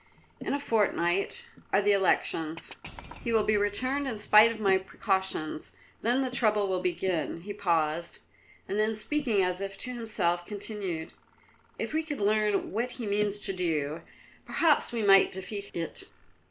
In a fortnight are the elections; he will be returned in spite of my precautions; then the trouble will begin." He paused, and then speaking as if to himself continued: "If we could learn what he means to do, perhaps we might defeat it."